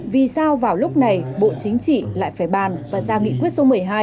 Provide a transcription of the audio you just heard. vì sao vào lúc này bộ chính trị lại phải bàn và ra nghị quyết số một mươi hai